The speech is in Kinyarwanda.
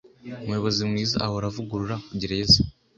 Umuyobozi mwiza ahora avugurura gereza